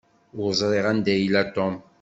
Ur ẓṛiɣ anda i yella Tom.